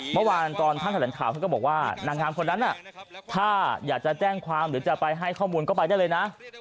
เมื่อวานตอนท่านแถลงข่าวท่านก็บอกว่านางงามคนนั้นถ้าอยากจะแจ้งความหรือจะไปให้ข้อมูลก็ไปได้เลยนะ